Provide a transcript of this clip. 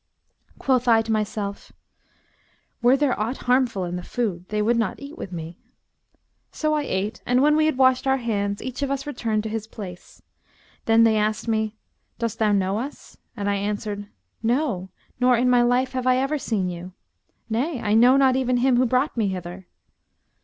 Quoth I to myself, 'Were there aught harmful in the food, they would not eat with me.' So I ate, and when we had washed our hands, each of us returned to his place. Then they asked me, 'Dost thou know us?' and I answered, 'No! nor in my life have I ever seen you; nay, I know not even him who brought me hither.'